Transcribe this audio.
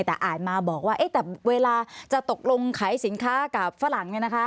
แต่อ่านมาบอกว่าแต่เวลาจะตกลงขายสินค้ากับฝรั่ง